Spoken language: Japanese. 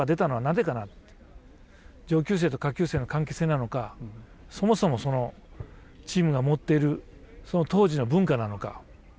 上級生と下級生の関係性なのかそもそもチームが持っているその当時の文化なのか。